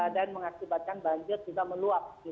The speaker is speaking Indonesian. dan mengakibatkan banjir juga meluap